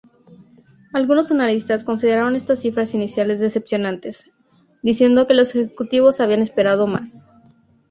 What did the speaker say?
Algunos analistas consideraron estas cifras iniciales decepcionantes, diciendo que los ejecutivos habían esperado más.